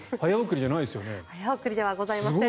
早送りじゃございません。